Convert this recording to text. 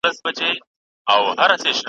د خلوته را بهر سو